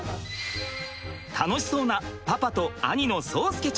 楽しそうなパパと兄の蒼介ちゃん。